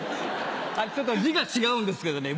ちょっと字が違うんですけどね